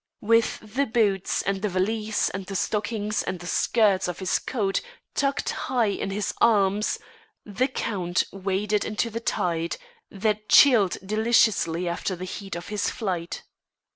With the boots and the valise and the stockings and the skirts of his coat tucked high in his arms, the Count waded into the tide, that chilled deliciously after the heat of his flight.